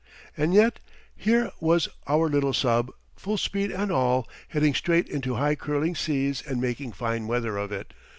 And yet here was our little sub full speed and all heading straight into high curling seas and making fine weather of it.